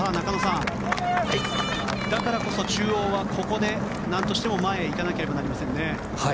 だからこそ中央はここで何としても前へ行かなければなりません。